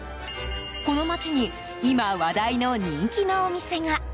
この街に今話題の人気のお店が。